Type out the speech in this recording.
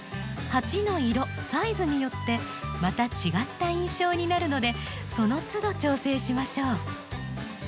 鉢の色サイズによってまた違った印象になるのでその都度調整しましょう。